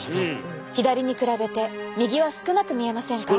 左に比べて右は少なく見えませんか？